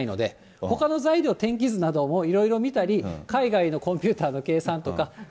ほかの材料、天気図などもいろいろ見たり海外のコンピューターの計算とか、い